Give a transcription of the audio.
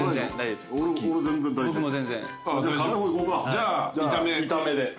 じゃあ炒め。